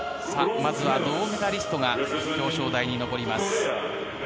まずは銅メダリストが表彰台に上ります。